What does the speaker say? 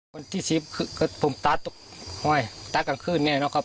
คนที่ซีบคือผมตัดตุ๊กห้อยตัดกลางคืนเนี้ยนะครับ